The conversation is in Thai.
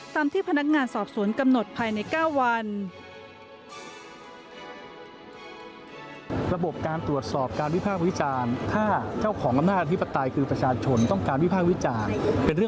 ตามที่พนักงานสอบสวนกำหนดภายใน๙วัน